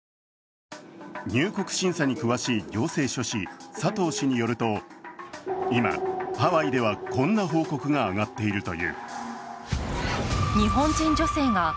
入国審査に詳しい行政書士佐藤氏によると今、ハワイではこんな報告が上がっているという。